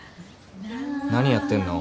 何やってんの？